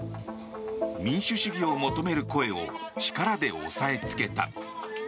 民主主義を求める声を力で押さえつけた。